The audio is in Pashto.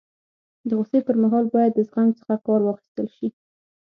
د غوصي پر مهال باید د زغم څخه کار واخستل سي.